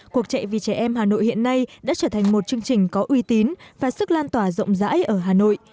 cuộc chạy vì trẻ em hà nội hiện nay đã trở thành một chương trình có uy tín và sức lan tỏa rộng rãi ở hà nội